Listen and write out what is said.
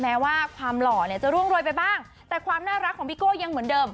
แม้ว่าความหล่อเนี่ยจะร่วงโรยไปบ้างแต่ความน่ารักของพี่โก้ยังเหมือนเดิม